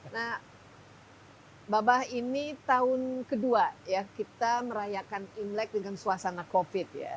nah babah ini tahun kedua ya kita merayakan imlek dengan suasana covid ya